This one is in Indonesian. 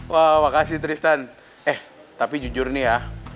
wah makasih tristan eh tapi jujur nih ya